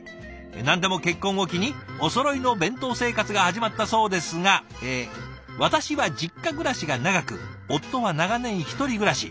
何でも結婚を機におそろいの弁当生活が始まったそうですが「私は実家暮らしが長く夫は長年１人暮らし。